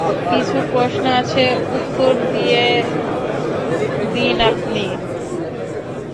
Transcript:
কিছু প্রশ্ন আছে, উত্তর দিয়ে দিন আপনি।